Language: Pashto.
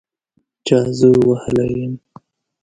چا زه وهلي یم